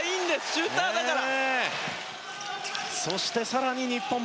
シューターだから。